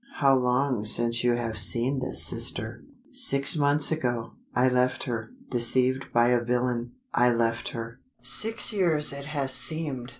"How long since you have seen this sister?" "Six months ago, I left her deceived by a villain, I left her. Six years it has seemed!